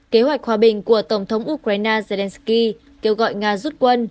kế hoạch hòa bình của tổng thống ukraine zelensky kêu gọi nga rút quân